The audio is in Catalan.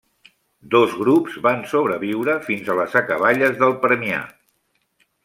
Dos grups van sobreviure fins a les acaballes del permià.